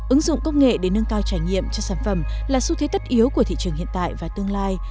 ứng dụng công nghệ để nâng cao trải nghiệm cho sản phẩm là xu thế tất yếu của thị trường hiện tại và tương lai